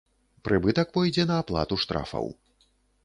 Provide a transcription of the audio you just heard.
Прыбытак пойдзе на аплату штрафаў.